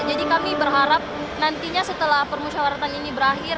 jadi kami berharap nantinya setelah permusyawaratan ini berakhir